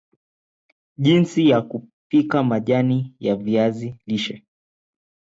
jinsi ya kupika majani ya viazi lishe